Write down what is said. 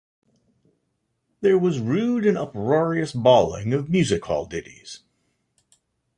There was rude and uproarious bawling of music hall ditties.